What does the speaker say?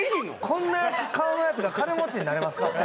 こんな顔のやつが金持ちになれますか？